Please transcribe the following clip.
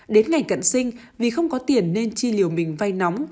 đến ngày cận sinh vì không có tiền nên chi liều mình vay nóng